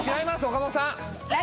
岡本さん